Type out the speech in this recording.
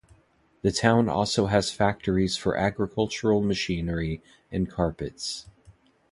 The town also has factories for agricultural machinery and carpets.